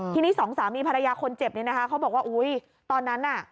ทีนี้สองสามีภรรยาคนเจ็บเนี่ยนะคะเขาบอกว่าอุ้ยตอนนั้นน่ะ